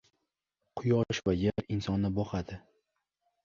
• Quyosh va yer insonni boqadi.